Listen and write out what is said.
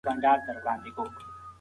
پوهه د انسان شخصیت بشپړوي.